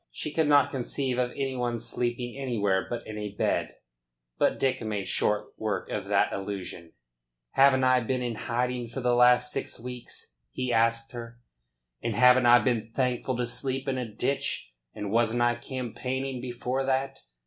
She could not conceive of any one sleeping anywhere but in a bed. But Dick made short work of that illusion. "Haven't I been in hiding for the last six weeks?" he asked her. "And haven't I been thankful to sleep in a ditch? And wasn't I campaigning before that?